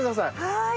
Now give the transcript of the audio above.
はい。